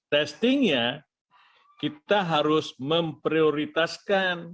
testingnya kita harus memprioritaskan